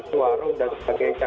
suara dan sebagainya